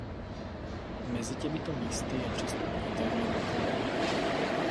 Mezi těmito místy je přestupní terminál.